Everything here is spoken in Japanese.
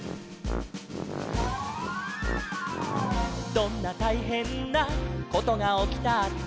「どんなたいへんなことがおきたって」